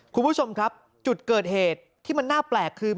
คุณผู้ชมครับจุดเกิดเหตุที่มันน่าแปลกคือ